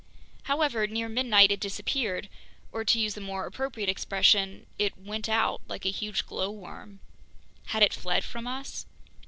However, near midnight it disappeared, or to use a more appropriate expression, "it went out," like a huge glowworm. Had it fled from us?